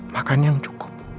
makan yang cukup